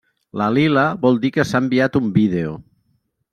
La lila vol dir que s’ha enviat un vídeo.